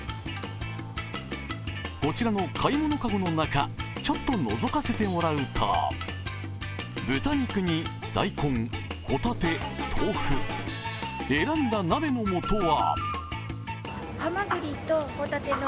こちらの買い物籠の中、ちょっとのぞかせてもらうと豚肉に大根、ほたて、豆腐、選んだ鍋の素は？